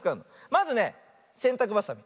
まずねせんたくばさみ。